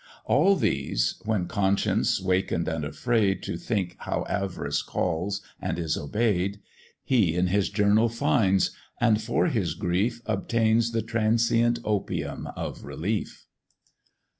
All these (when conscience, waken'd and afraid, To think how avarice calls and is obey'd) He in his journal finds, and for his grief Obtains the transient opium of relief.